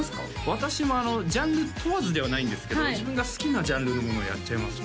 私もあのジャンル問わずではないんですけど自分が好きなジャンルのものをやっちゃいますね